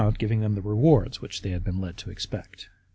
5 giving them the rewards which they had been led to expect.